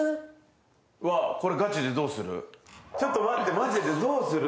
ちょっと待ってマジでどうする？